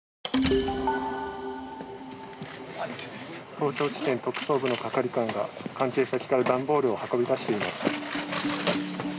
東京地検特捜部の係官が関係先から段ボールを運び出しています。